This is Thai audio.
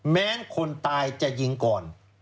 แม้คนตายจะยิงก่อน